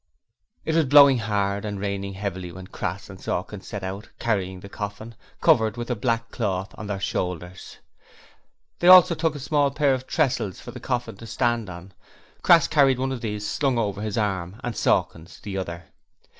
It was blowing hard and raining heavily when Crass and Sawkins set out, carrying the coffin covered with a black cloth on their shoulders. They also took a small pair of tressels for the coffin to stand on. Crass carried one of these slung over his arm and Sawkins the other.